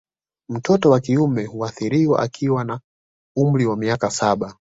Mtoto wa kiume hutahiriwa akiwa na umri wa miaka saba